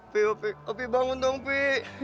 bi bi bangun dong bi